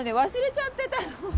忘れちゃってたの。